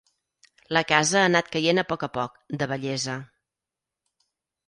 La casa ha anat caient a poc a poc, de vellesa.